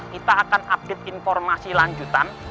kita akan update informasi lanjutan